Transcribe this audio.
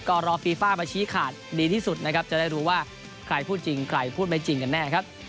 ก็รอฟีฟ่ามาชี้ขาดดีที่สุดนะครับจะได้รู้ว่าใครพูดจริงใครพูดไม่จริงกันแน่ครับ